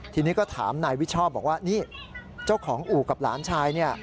ทีนี้ก็ถามนายวิชอบบอกว่านี่เจ้าของอู่กับหลานชายเนี่ย